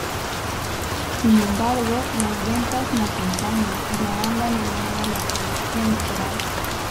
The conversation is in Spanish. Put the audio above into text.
Sin embargo, las ventas no acompañan y la banda no logra la proyección esperada.